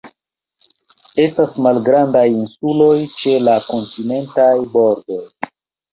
Estas malgrandaj insuloj ĉe la kontinentaj bordoj.